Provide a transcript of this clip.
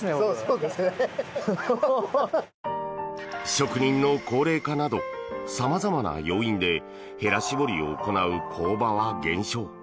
職人の高齢化など様々な要因でへら絞りを行う工場は減少。